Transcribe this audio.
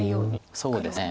そうですね。